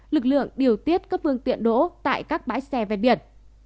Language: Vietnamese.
lực lượng điều tiết các phương tiện đỗ tại các bãi xe ven biển